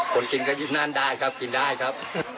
คนกินก็ยึดนั่นได้ครับกินได้ครับ